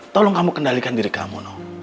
tolong kamu kendalikan diri kamu